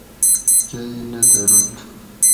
کۤئ نہ دروت